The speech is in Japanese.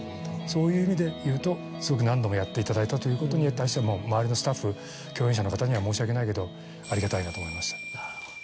そういう意味でいうとすごく何度もやっていただいたということに対してはもう周りのスタッフ共演者の方には申し訳ないけど。と思いました。